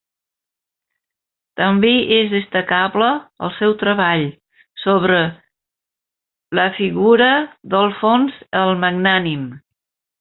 També és destacable el seu treball sobre la figura d'Alfons el Magnànim.